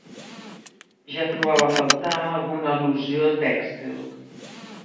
Ja trobava a faltar alguna al·lusió tèxtil.